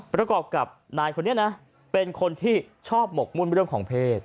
ประกอบกับนายคนนี้นะเป็นคนที่ชอบหมกมุ่นเรื่องของเพศ